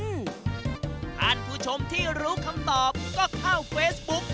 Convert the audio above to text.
ท่านผู้ชมที่รู้คำตอบก็เข้าเฟซบุ๊ก